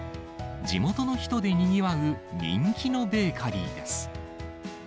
地元の人でにぎわう人気のベーカリーです。